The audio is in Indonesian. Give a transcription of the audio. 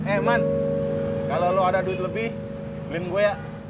eh man kalau lo ada duit lebih lim gue